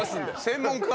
専門家！